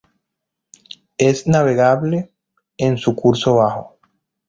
Es navegable en su curso bajo.